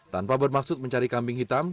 tanpa bermaksud mencari kambing hitam